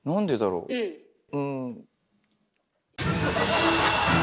うん。